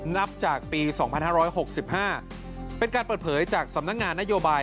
นับจากปี๒๕๖๕เป็นการเปิดเผยจากสำนักงานนโยบาย